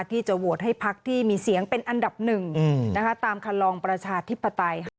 ที่จะโหวตให้พักที่มีเสียงเป็นอันดับหนึ่งตามคันลองประชาธิปไตย